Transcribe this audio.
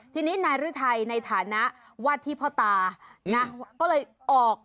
ทีนี้นายฤทัยในฐานะวาดที่พ่อตานะก็เลยออก